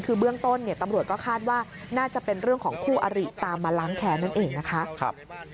คือเบื้องต้นตำรวจก็คาดว่าน่าจะเป็นเรื่องของคู่อริตามมาล้างแค้นนั่นเองนะคะ